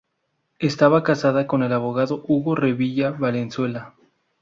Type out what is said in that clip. Estaba casada con el abogado Hugo Revilla Valenzuela.